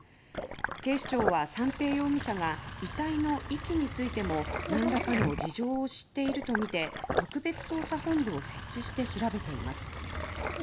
警視庁は、三瓶容疑者が遺体の遺棄についても何らかの事情を知っているとみて特別捜査本部を設置して調べています。